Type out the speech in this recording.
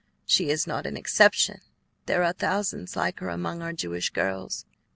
She is not an exception; there are thousands like her among our Jewish girls.